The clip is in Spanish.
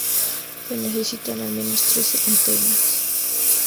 Se necesitan al menos tres antenas.